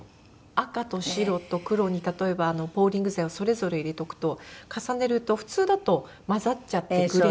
赤と白と黒に例えばポーリング剤をそれぞれ入れておくと重ねると普通だと混ざっちゃってグレーっぽく。